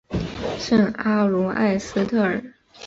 圣阿卢埃斯特尔。